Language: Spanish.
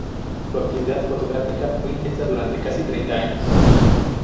Su actividad fotográfica fue intensa durante casi treinta años.